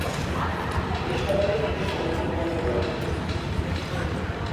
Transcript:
এই শহরে একটি সমুদ্র বন্দর রয়েছে।